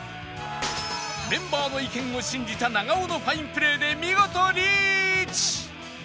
メンバーの意見を信じた長尾のファインプレーで見事リーチ！